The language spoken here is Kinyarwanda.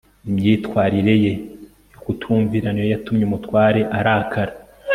imyitwarire ye yo kutumvira niyo yatumye umutware arakara